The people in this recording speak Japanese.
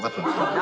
何？